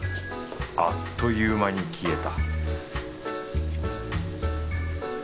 あっという間に消えた